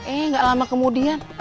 eh gak lama kemudian